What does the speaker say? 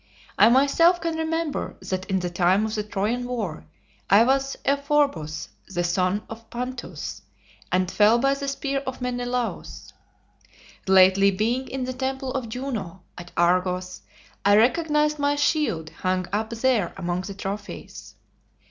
I myself can remember that in the time of the Trojan war I was Euphorbus, the son of Panthus, and fell by the spear of Menelaus. Lately being in the temple of Juno, at Argos, I recognized my shield hung up there among the trophies.